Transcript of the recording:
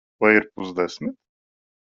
Vai ir pusdesmit?